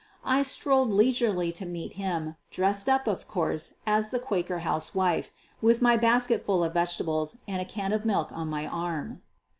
I strolled leisurely to meet him, dressed up, of course, as the Quaker housewife, with my basket full of vegetables and can of milk on my arm.